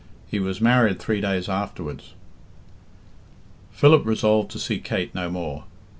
He was married three days afterwards." Philip resolved to see Kate no more.